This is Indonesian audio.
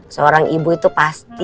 seorang ibu itu pasti